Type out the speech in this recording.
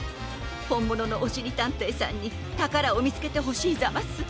ほんもののおしりたんていさんにたからをみつけてほしいざます。